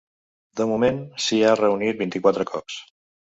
De moment, s’hi ha reunit vint-i-quatre cops.